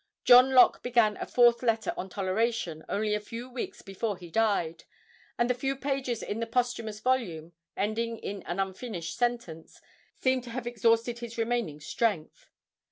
John Locke began a "Fourth Letter on Toleration" only a few weeks before he died, and "the few pages in the posthumous volume, ending in an unfinished sentence, seem to have exhausted his remaining strength."